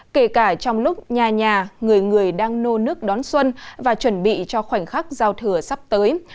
kể cả trong lúc nhà nhà người người đang nô nước đón xuân và chuẩn bị cho khoảnh khắc giao thừa sắp tới